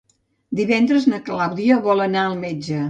Divendres na Clàudia vol anar al metge.